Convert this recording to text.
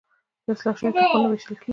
د اصلاح شویو تخمونو ویشل کیږي